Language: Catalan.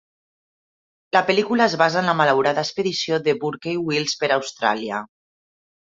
La pel·lícula es basa en la malaurada expedició de Burke i Wills per Austràlia.